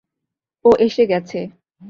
ও এসে গেছে।